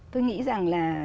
tôi nghĩ rằng là